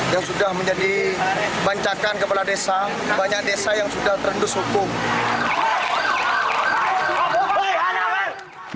yang sudah menjadi bancakan kepala desa banyak desa yang sudah terendus hukum